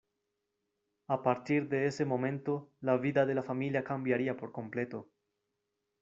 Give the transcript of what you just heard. A partir de ese momento la vida de la familia cambiaría por completo.